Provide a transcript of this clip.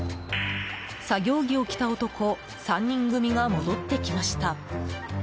作業着を着た男３人組が戻ってきました。